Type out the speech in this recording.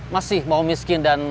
masih mau miskin dan